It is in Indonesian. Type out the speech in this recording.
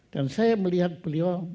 dan saya melihat beliau